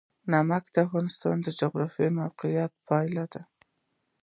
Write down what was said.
نمک د افغانستان د جغرافیایي موقیعت پایله ده.